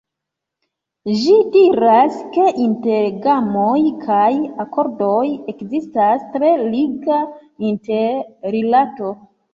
Ĝi diras, ke inter gamoj kaj akordoj ekzistas tre liga interrilato.